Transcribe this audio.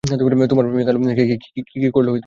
তোমার প্রেমিক আলু, কি কি করলো আমারে বাঁচানোর জন্য!